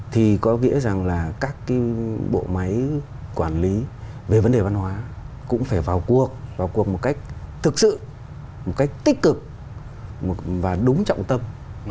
thì có nghĩa rằng là các cái bộ máy quản lý về vấn đề văn hóa cũng phải vào cuộc vào cuộc một cách thực sự một cách tích cực và đúng trọng tâm